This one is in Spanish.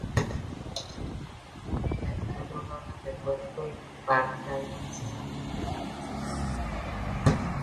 Otros hablan de puerto y barca de Manzanal.